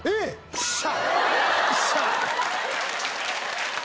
よっしゃ！